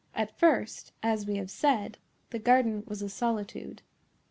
At first, as we have said, the garden was a solitude.